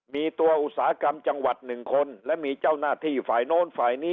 มีตัวอุตสาหกรรมจังหวัดหนึ่งคนและมีเจ้าหน้าที่ฝ่ายโน้นฝ่ายนี้